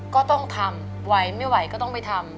ก็ต้องทำไหวไม่ไหวก็ต้องไปทำ